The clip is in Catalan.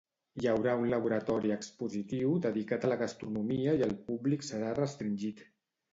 Hi haurà un laboratori expositiu dedicat a la gastronomia i el públic serà restringit.